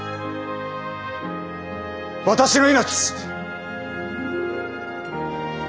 私の命。